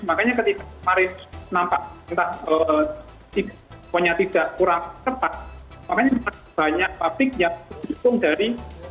makanya ketika kemarin nampak entah pokoknya tidak kurang cepat makanya banyak pabrik yang ditutupi dari kas ini